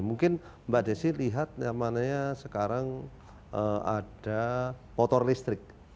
mungkin mbak desi lihat yang mananya sekarang ada motor listrik